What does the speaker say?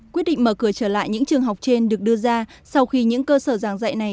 quyết định mở cửa trở lại những trường học trên được đưa ra sau khi những cơ sở giảng dạy này